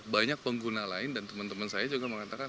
banyak pengguna lain dan teman teman saya juga mengatakan